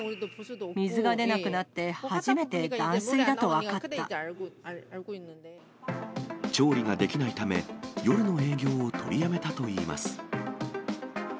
水が出なくなって初めて断水だと調理ができないため、夜の営業を取りやめたといいます。